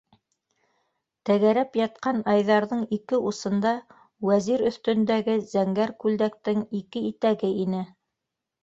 Тәгәрәп ятҡан Айҙарҙың ике усында Вәзир өҫтөндәге зәңгәр күлдәктең ике итәге ине.